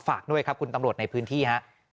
ฝากด้วยครับคุณตำรวจในพื้นที่ฮะ